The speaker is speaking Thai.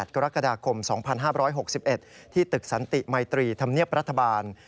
กรกฎาคม๒๕๖๑ที่ตึกสันติมัยตรีธรรมเนียบรัฐบาล